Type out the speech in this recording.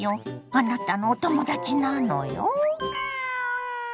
あなたのお友達なのよ。